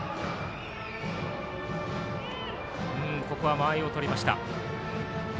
間合いを取りました。